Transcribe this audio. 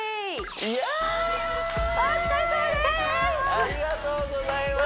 ありがとうございます